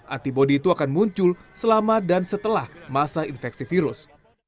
antibody itu akan muncul selama dan setelah masa infeksi virus